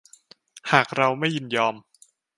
หากเราไม่ยินยอม